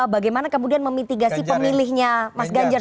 bagaimana kemudian memitigasi pemilihnya mas ganjar